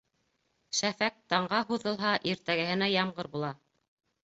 Шәфәҡ таңға һуҙылһа, иртәгеһенә ямғыр була.